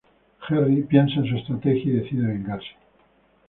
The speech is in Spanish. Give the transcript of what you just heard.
Jerry piensa en su estrategia y decide vengarse.